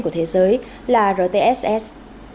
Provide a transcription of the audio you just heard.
của thế giới là rtss